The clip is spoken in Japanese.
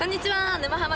「沼ハマ」